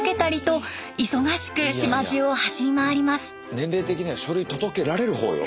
年齢的には書類届けられるほうよ。